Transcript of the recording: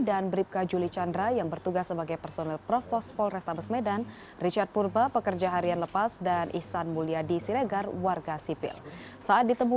apa yang kena